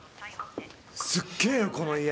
すっげえよこの家。